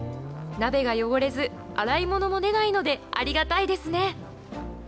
鍋が汚れず、洗い物も出ないので、ありがたいですね。